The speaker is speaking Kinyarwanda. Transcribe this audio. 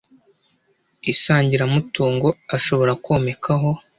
isangiramutungo ashobora komekaho